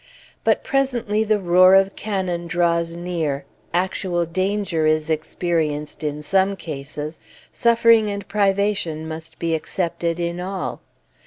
But presently the roar of cannon draws near, actual danger is experienced in some cases, suffering and privation must be accepted in all.